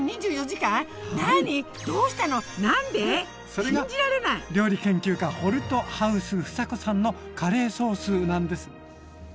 それが料理研究家ホルトハウス房子さんのカレーソースなんです。